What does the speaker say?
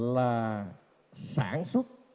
là sản xuất